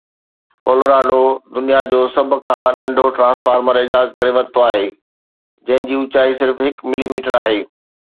Colorado دنيا جو سڀ کان ننڍو ٽرانسفارمر ايجاد ڪري ورتو آهي جنهن جي اوچائي صرف هڪ ملي ميٽر آهي